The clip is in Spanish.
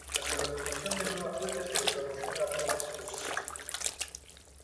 La colonización de Nueva Suecia se desarrolló en la parte sur.